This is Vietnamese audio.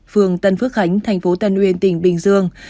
phương tân phước khánh thành phố tân nguyên tỉnh bình dương